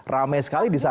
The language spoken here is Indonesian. rame sekali di sana